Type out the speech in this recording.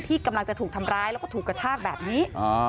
ที่กำลังจะถูกทำร้ายแล้วก็ถูกกระชากแบบนี้